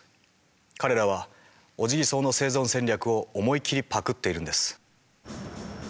彼らはオジギソウの生存戦略を思い切りパクっているんです。